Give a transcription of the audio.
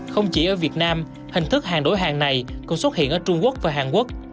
không chỉ ở việt nam hình thức hàng đổi hàng này cũng xuất hiện ở trung quốc và hàn quốc